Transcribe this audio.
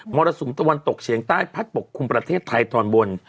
รสุมตะวันตกเฉียงใต้พัดปกคลุมประเทศไทยตอนบน